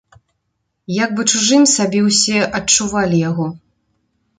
Як бы чужым сабе ўсе адчувалі яго.